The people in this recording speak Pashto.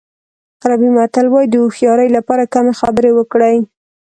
عربي متل وایي د هوښیارۍ لپاره کمې خبرې وکړئ.